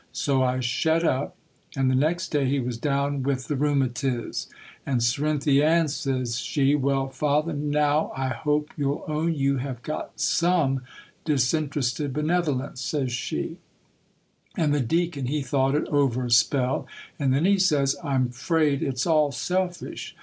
So I shet up; and the next day he was down with the rheumatis. And Cerinthy Ann, says she, "Well, father, now I hope you'll own you have got some disinterested benevolence," says she; and the Deacon he thought it over a spell, and then he says, "I'm 'fraid it's all selfish.